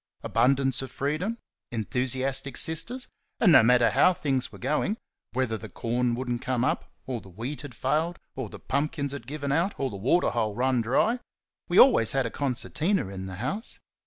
Abundance of freedom; enthusiastic sisters; and no matter how things were going whether the corn would n't come up, or the wheat had failed, or the pumpkins had given out, or the water hole run dry we always had a concertina in the house.